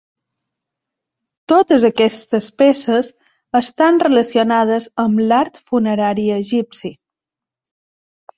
Totes aquestes peces estan relacionades amb l'art funerari egipci.